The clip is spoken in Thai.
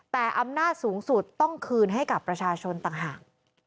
แต่อำนาจสูงสุดต้องคืนให้กับประชาชนต่างหาก